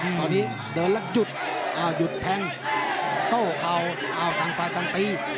ตอนนี้เดินแล้วหยุดหยุดแทงโต้เข้าข้างฝ่ายต้องตี